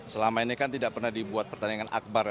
selama ini kan tidak pernah dibuat pertandingan akbar